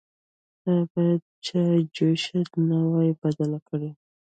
_تا بايد چايجوشه نه وای بدله کړې.